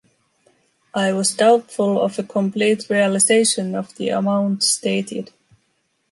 I was doubtful of a complete realization of the amount stated.